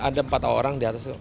ada empat orang di atas itu